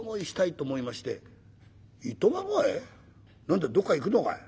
何だどっか行くのかい？